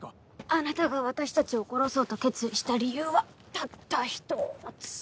あなたが私たちを殺そうと決意した理由はたった１つ。